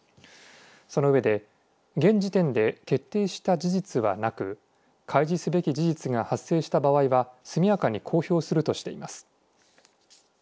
その上で現時点で決定した事実はなく開示すべき事実が発生した場合は速やかに公表するとしています。